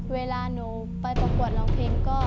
เวลาหนูไปประกวดร้องเพลงก็